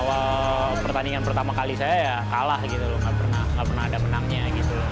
awal pertandingan pertama kali saya ya kalah gitu loh nggak pernah ada menangnya gitu loh